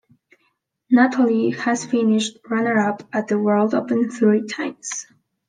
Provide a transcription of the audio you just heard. Natalie has finished runner-up at the World Open three times.